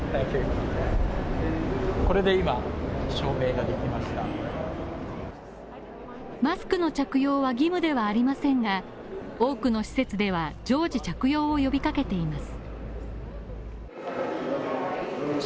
これで今証明ができましたマスクの着用は義務ではありませんが、多くの施設では、常時着用を呼びかけています。